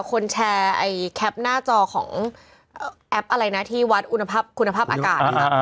คนแชร์แคปหน้าจอของแอปอะไรนะที่วัดคุณภาพอากาศนะคะ